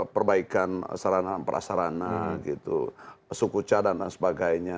perbaikan sarana prasarana gitu suku cadang dan sebagainya